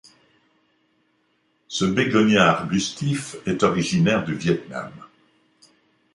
Ce bégonia arbustif est originaire du Viet Nam.